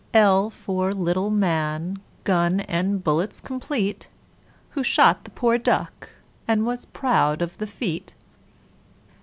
L for Little man, gun and bullets complete, Who shot the poor duck, and was proud of the feat.